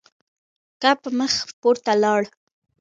کب مخ پورته لاړ.